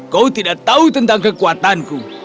kau tidak tahu tentang kekuatanku